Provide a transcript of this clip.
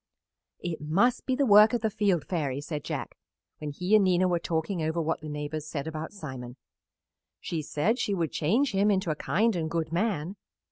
"It must be the work of the Field Fairy," said Jack when he and Nina were talking over what the neighbors said about Simon. "She said she would change him into a kind and good man."